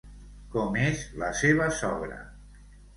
Com és la seva sogra?